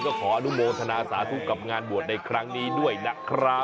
ก็ขออนุโมทนาสาธุกับงานบวชในครั้งนี้ด้วยนะครับ